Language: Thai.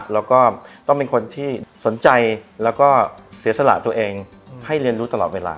แล้วก็ต้องเป็นคนที่สนใจแล้วก็เสียสละตัวเองให้เรียนรู้ตลอดเวลา